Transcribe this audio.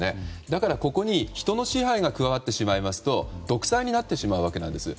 だからここに人の支配が加わってしまうと独裁になってしまうわけです。